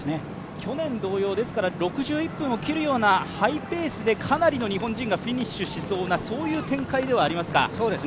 去年同様ですから、６１分を切るようなハイペースでかなりの日本人がフィニッシュしそうな展開ではありますか？